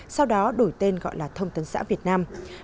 sau đó đổi tên gọi là thông tấn xã việt nam